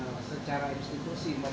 apakah terlapor ataupun melapor